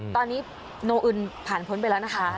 ตอนนี้โนอึนผ่านพ้นไปแล้วนะคะ